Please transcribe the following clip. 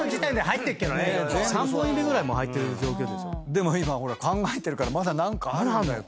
でも今考えてるからまだ何かあるんだよ